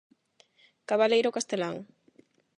Cabaleiro castelán.